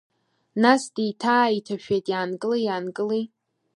Нас деиҭааиҭашәеит, иаанкыли, иаанкыли!